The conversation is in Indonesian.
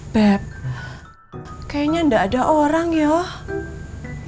beb kayaknya nggak ada orang yuk